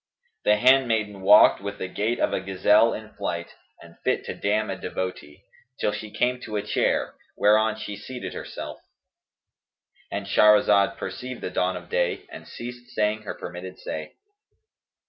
The handmaiden walked, with the gait of a gazelle in flight and fit to damn a devotee, till she came to a chair, whereon she seated herself.—And Shahrazad perceived the dawn of day and ceased saying her permitted say.